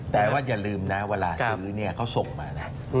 แต่ว่าอย่าลืมนะเวลาซื้อเนี่ยเขาส่งมานะ